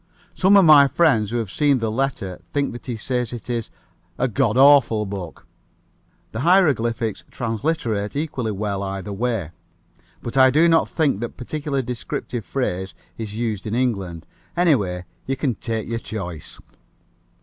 Some of my friends who have seen the letter think that he says it is 'a God awful book.' The hieroglyphics transliterate equally well either way. But I do not think that particular descriptive phrase is used in England. Anyway, you can take your choice."